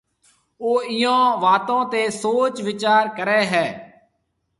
او اِيئون واتون تي سوچ ويچار ڪريَ هيَ۔